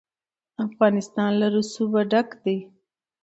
افغانستان له رسوب ډک دی.